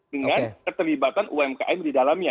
dengan keterlibatan umkm di dalamnya